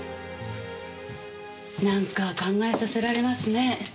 なんか考えさせられますね。